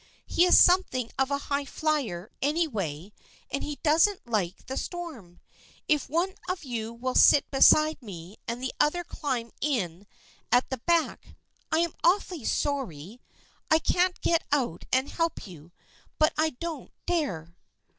He is something of a high flyer any way and he doesn't like the storm. If one of you will sit beside me and the other climb in at the back — I am awfully sorry I can't get out and help you, but I don't dare."